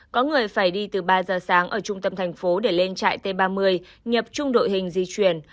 có người phải đi từ ba giờ sáng ở trung tâm thành phố để lên trại t ba mươi nhập trung đội hình di chuyển